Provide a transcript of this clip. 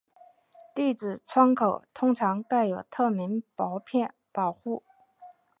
地址窗口通常盖有透明薄片保护。